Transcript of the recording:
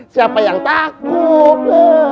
siapa yang takut